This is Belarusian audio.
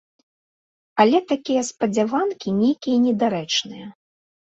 Але такія спадзяванкі нейкія недарэчныя.